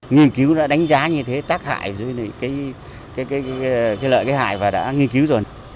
nghiên cứu đã đánh giá như thế tác hại dưới lợi cái hại và đã nghiên cứu rồi